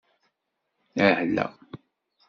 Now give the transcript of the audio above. Ahla!